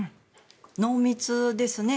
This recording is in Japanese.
濃密ですね。